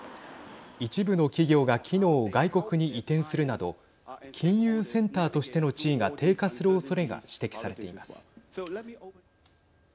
一部の企業が機能を外国に移転するなど金融センターとしての地位が低下するおそれが指摘されています。